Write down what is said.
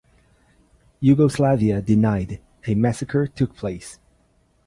Yugoslavia denied a massacre took place.